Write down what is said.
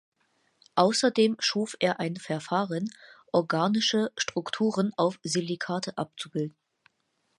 Außerdem schuf er ein Verfahren, organische Strukturen auf Silikate abzubilden.